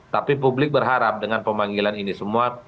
tapi publik berharap dengan pemanggilan ini semua